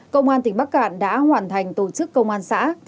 công an tỉnh bắc cạn đã hoàn thành tổ chức công an xã